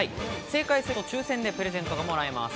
正解すると抽選でプレゼントがもらえます。